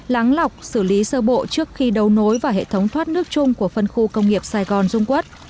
lắng lọc xử lý sơ bộ trước khi đấu nối vào hệ thống thoát nước chung của phân khu công nghiệp sài gòn dung quốc